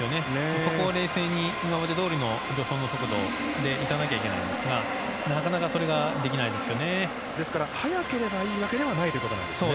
そこを冷静に今までどおりの助走の速度でいかなきゃいけないんですがなかなかそれができないですよね。